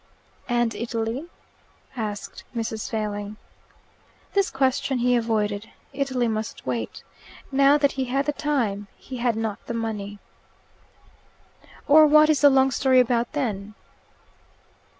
"And Italy?" asked Mrs. Failing. This question he avoided. Italy must wait. Now that he had the time, he had not the money. "Or what is the long story about, then?"